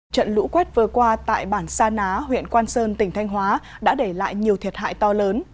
trận lũ quét vừa qua tại bản sa ná huyện quang sơn tỉnh thanh hóa đã để lại nhiều thiệt hại to lớn